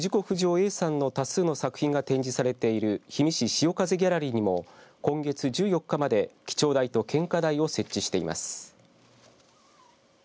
不二雄Ａさんの多数の作品が展示されている氷見市潮風ギャラリーにも今月１４日まで記帳台と献花台を設置しています。